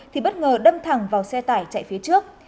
thì bất ngờ đâm thẳng vào xe tải chạy phía trước